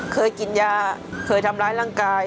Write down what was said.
เคยกินยาเคยทำร้ายร่างกาย